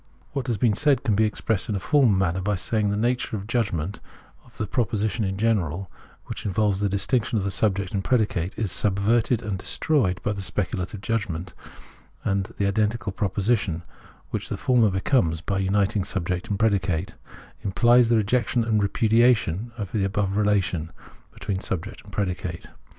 What has been said can be expressed in a formal Preface 61 manner by saying that the nature of judgment or the proposition in general, which involves the distinction of subject and predicate, is subverted and destroyed by the speculative judgment ; and the identical pro position, which the former becomes [by uniting subject and predicate], imphes the rejection and repudiation of the above relation between subject and predicate.